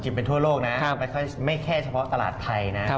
จริงเป็นทั่วโลกนะครับไม่แค่เฉพาะตลาดไทยนะครับ